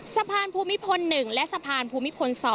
สะพานภูมิพล๑และสะพานภูมิพล๒